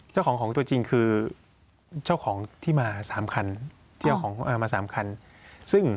เจ้าของของตัวจริงคือเจ้าของที่มาสามคันที่เอาของมาสามคันซึ่ง